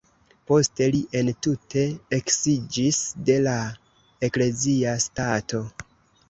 Poste li entute eksiĝis de la eklezia stato.